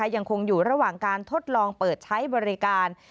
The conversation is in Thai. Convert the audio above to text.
ยังคงอยู่ระหว่างการทดลองเปิดใช้บริการ